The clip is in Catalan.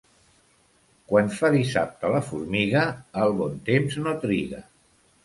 Quan fa dissabte la formiga el bon temps no triga.